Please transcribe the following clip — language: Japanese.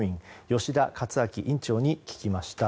吉田勝明院長に聞きました。